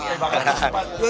tapi banget cepat